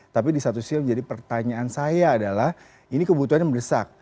tapi di satu sisi menjadi pertanyaan saya adalah ini kebutuhannya mendesak